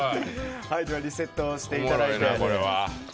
リセットをしていただいて。